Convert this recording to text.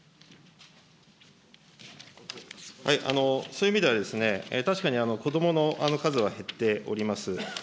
そういう意味では、確かに子どもの数は減っております。